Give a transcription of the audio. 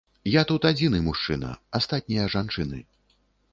Я тут адзіны мужчына, астатнія жанчыны.